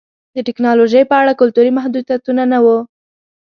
د ټکنالوژۍ په اړه کلتوري محدودیتونه نه وو